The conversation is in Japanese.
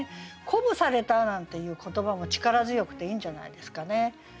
「鼓舞された」なんていう言葉も力強くていいんじゃないですかね。